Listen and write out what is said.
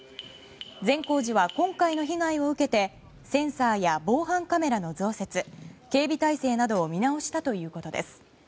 善光寺は今回の被害を受けてセンサーや防犯カメラの増設警備態勢などを見直したということです。